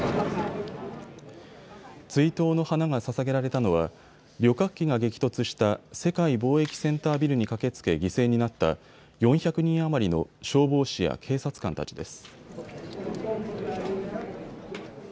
追悼の花がささげられたのは旅客機が激突した世界貿易センタービルに駆けつけ犠牲になった４００人余りの消防士や警察官たちです。